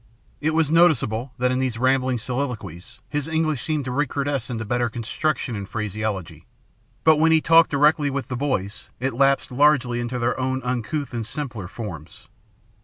It was noticeable that in these rambling soliloquies his English seemed to recrudesce into better construction and phraseology. But when he talked directly with the boys it lapsed, largely, into their own uncouth and simpler forms.